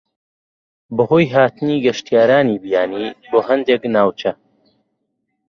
بەهۆی هاتنی گەشتیارانی بیانی بۆ هەندێک ناوچە